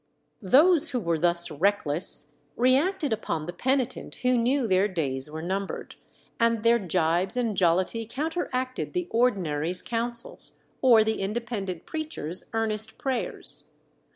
Those who were thus reckless reacted upon the penitent who knew their days were numbered, and their gibes and jollity counteracted the ordinary's counsels or the independent preacher's earnest prayers.